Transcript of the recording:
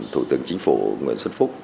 thủ tướng chính phủ nguyễn xuân phúc